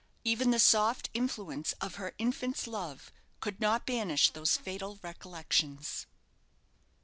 Even the soft influence of her infant's love could not banish those fatal recollections.